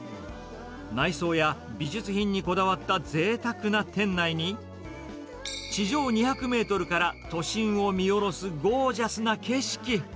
内装や美術品にこだわったぜいたくな店内に、地上２００メートルから都心を見下ろすゴージャスな景色。